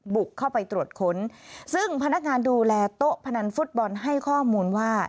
บุกเข้าไปตรวจค้นซึ่งพนักงานดูแลโต๊ะพนันฟุตบอลให้ข้อมูลว่า